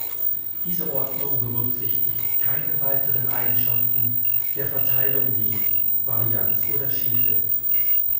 Diese Ordnung berücksichtigt keine weiteren Eigenschaften der Verteilungen wie Varianz oder Schiefe.